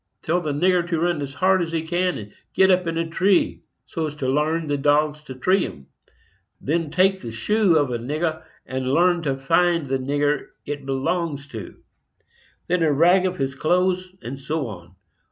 Tell the nigger to run as hard as he can, and git up in a tree, so as to larn the dogs to tree 'em; then take the shoe of a nigger, and larn 'em to find the nigger it belongs to; then a rag of his clothes; and so on.